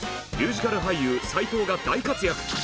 ミュージカル俳優斎藤が大活躍。